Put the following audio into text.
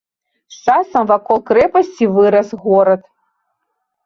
З часам вакол крэпасці вырас горад.